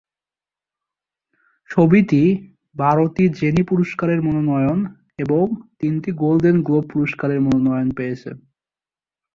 ছবিটি বারোটি জেনি পুরস্কারের মনোনয়ন এবং তিনটি গোল্ডেন গ্লোব পুরস্কারের মনোনয়ন পেয়েছে।